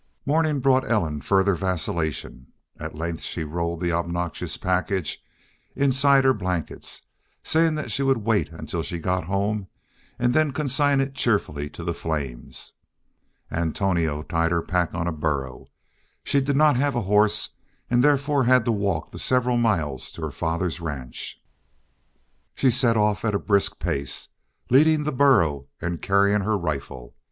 Morning brought Ellen further vacillation. At length she rolled the obnoxious package inside her blankets, saying that she would wait until she got home and then consign it cheerfully to the flames. Antonio tied her pack on a burro. She did not have a horse, and therefore had to walk the several miles, to her father's ranch. She set off at a brisk pace, leading the burro and carrying her rifle.